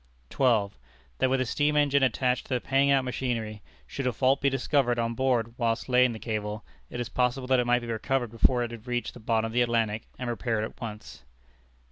12. That with a steam engine attached to the paying out machinery, should a fault be discovered on board whilst laying the cable, it is possible that it might be recovered before it had reached the bottom of the Atlantic, and repaired at once.